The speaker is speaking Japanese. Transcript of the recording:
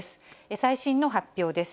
最新の発表です。